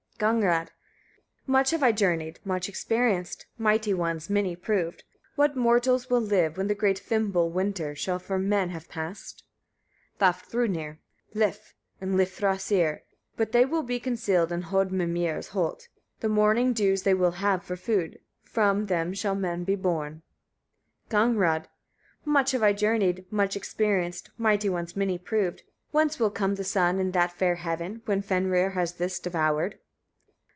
Gagnrâd. 44. Much have I journeyed, much experienced, mighty ones many proved. What mortals will live, when the great "Fimbul" winter shall from men have passed? Vafthrûdnir. 45. Lif and Lifthrasir; but they will be concealed in Hoddmimir's holt. The morning dews they will have for food. From, them shall men be born. Gagnrâd. 46. Much have I journeyed, much experienced, mighty ones many proved. Whence will come the sun in that fair heaven, when Fenrir has this devoured?